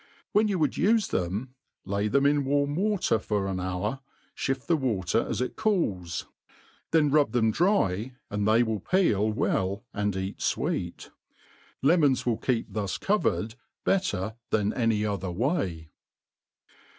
When you would ufe them, lay then in warm wa» ter for an hour, flilft the water as it cools ; then rub them dry, and they wilt peel well and eat fweet. Leaioiis will keep thus covered better than any other way.